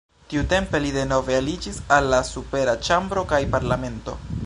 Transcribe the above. Tiutempe li denove aliĝis al la supera ĉambro kaj parlamento.